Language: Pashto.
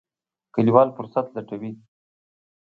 کلیوال فرصت لټوي.